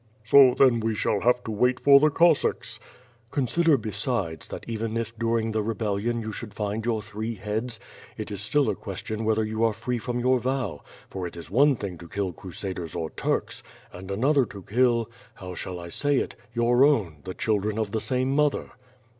^^ "So then we shall have to wait for the Cossacks!" "Consider besides, that even if during the rebellion you should find your three heads, it is still a question whether you are free from your vow; for it is one thing to kill Cru saders or Turks, and another to kill — how shall 1 say it — ^your own — ^the children of the same mother."